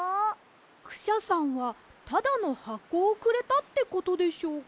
クシャさんはただのはこをくれたってことでしょうか？